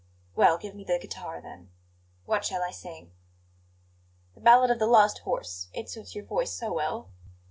"Well, give me the guitar, then. What shall I sing?" "The ballad of the lost horse; it suits your voice so well."